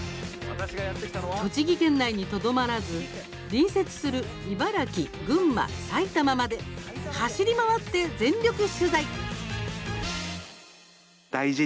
栃木県内にとどまらず隣接する茨城、群馬、埼玉まで走り回って全力取材。